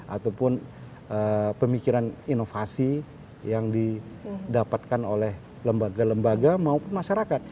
ataupun pemikiran inovasi yang didapatkan oleh lembaga lembaga maupun masyarakat